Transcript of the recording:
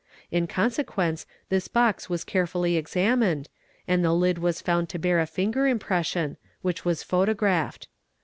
In consequence this box was carefully examined, and the lid as found to bear a finger impression, which was photographed.